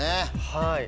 はい。